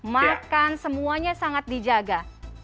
makan semuanya sangat dijaga